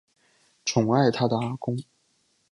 宠爱她的阿公